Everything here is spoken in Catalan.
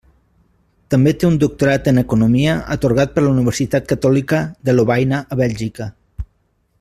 També té un doctorat en economia atorgat per la Universitat Catòlica de Lovaina a Bèlgica.